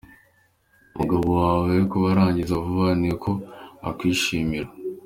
Umugabo wawe kuba arangiza vuba ni uko akwishimira.